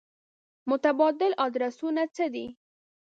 متبادل ادرسونه څه دي.